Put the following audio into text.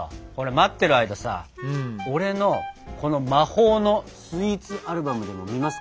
待ってる間さ俺のこの魔法のスイーツアルバムでも見ますか？